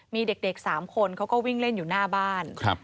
มีเด็ก๓คนเขาก็วิ่งเล่นอยู่หน้าบ้าน